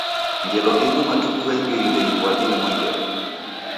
Ngelo imu matuku gha imbiri ndeghiw'adie mwengere.